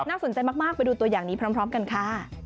สนใจมากไปดูตัวอย่างนี้พร้อมกันค่ะ